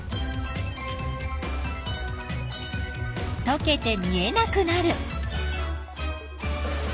とけて見えなくなる。